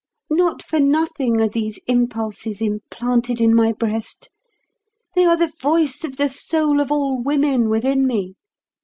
Not for nothing are these impulses implanted in my breast. They are the voice of the soul of all women within me.